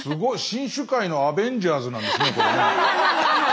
新種界のアベンジャーズなんですねこれね。